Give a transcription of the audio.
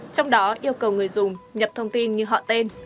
trong đó yêu cầu người dùng nhập thông tin như họ tên